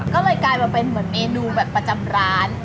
ก็เลยกลายมาเป็นเหมือนเมนูแบบประจำร้าน